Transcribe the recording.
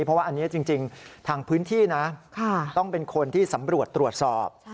เพราะว่าอันนี้จริงทางพื้นที่นะต้องเป็นคนที่สำรวจตรวจสอบ